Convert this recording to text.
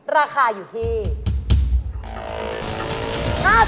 ราคาอยู่ที่๕๕บาท